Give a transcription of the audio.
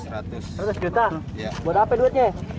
rp seratus buat apa duitnya